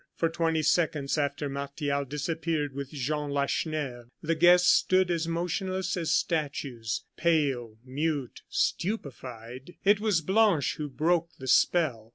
For twenty seconds after Martial disappeared with Jean Lacheneur, the guests stood as motionless as statues, pale, mute, stupefied. It was Blanche who broke the spell.